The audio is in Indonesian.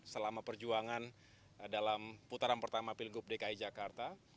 selama perjuangan dalam putaran pertama pilgub dki jakarta